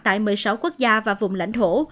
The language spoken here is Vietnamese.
tại một mươi sáu quốc gia và vùng lãnh thổ